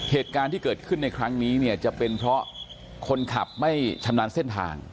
เหตุการณ์ที่เกิดขึ้นในครั้งนี้เนี่ยจะเป็นเพราะคนขับไม่ชำนาญเส้นทาง